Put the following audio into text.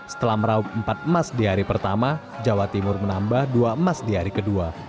setelah meraup empat emas di hari pertama jawa timur menambah dua emas di hari kedua